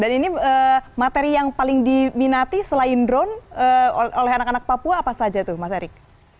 dan ini materi yang paling diminati selain drone oleh anak anak papua apa saja tuh mas erick